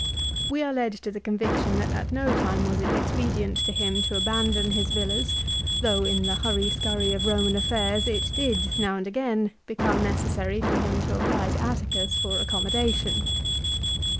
We are led to the con viction that at no time was it expedient to him to abandon his villas, though in the hurry scurry of Roman affairs it did, now and again, become necessary for him to apply to Atticus for accommodation.